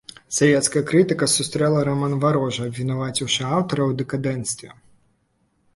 Савецкая крытыка сустрэла раман варожа, абвінаваціўшы аўтара ў дэкадэнцтве.